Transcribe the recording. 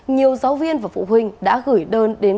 nhiều giáo viên và phụ huynh đã gửi đơn